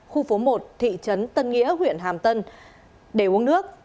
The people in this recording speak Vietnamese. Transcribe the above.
khu phố một thị trấn tân nghĩa huyện hàm tân để uống nước